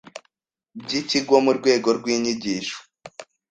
by Ikigo mu rwego rw inyigisho